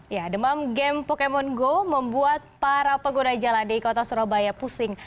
ya demam game pokemon go membuat para pengguna jalan di kota surabaya pusing